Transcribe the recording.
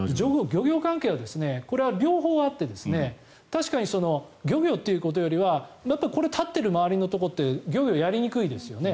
漁業関係者はこれは両方あって確かに漁業っていうことよりは立っている周りのところって漁業をやりにくいですよね。